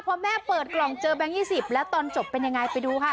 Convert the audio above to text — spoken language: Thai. พอแม่เปิดกล่องเจอแบงค์๒๐แล้วตอนจบเป็นยังไงไปดูค่ะ